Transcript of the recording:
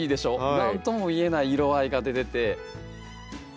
何とも言えない色合いが出てて。